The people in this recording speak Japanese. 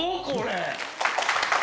これ。